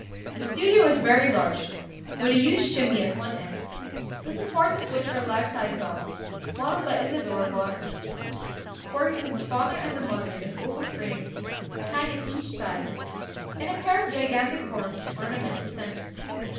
"The studio is very large, with a huge chimney at one end, the supports of which are life size dogs, modeled by Isadore Bonheur. Portraits of the father and mother in oval frames hang at each side, and a pair of gigantic horns ornaments the centre.